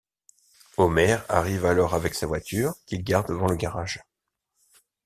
Homer arrive alors avec sa voiture qu'il gare devant le garage.